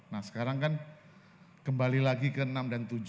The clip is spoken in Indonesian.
nah sekarang kan kembali lagi ke enam dan tujuh